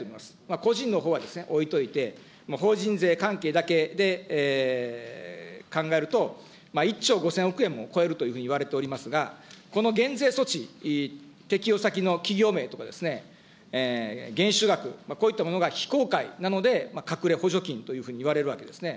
個人のほうは置いといて、法人税関係だけで考えると、１兆５０００億円を超えるというふうに言われておりますが、この減税措置、適用先の企業名とか、減収額、こういったものが非公開なので隠れ補助金というふうに言われるわけですね。